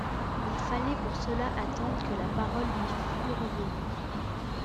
Il fallait pour cela attendre que la parole lui fût revenue.